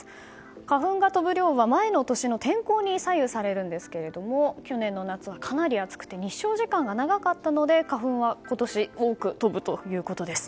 花粉が飛ぶ量は前の年の天候に左右されるんですけども去年の夏はかなり暑くて日照時間が長かったので花粉は今年多く飛ぶということです。